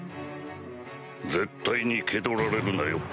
絶対に気取られるなよ